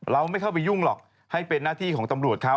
ไม่เข้าไปยุ่งหรอกให้เป็นหน้าที่ของตำรวจเขา